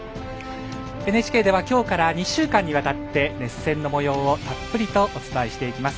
ＮＨＫでは今日から２週間にわたって熱戦のもようをたっぷりとお伝えしていきます。